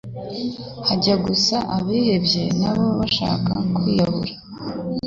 hajya gusa abihebye nabo bashaka kwiyahura